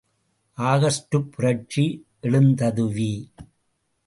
ஆகஸ்ட்டுப் புரட்சி எழுந்ததுவே!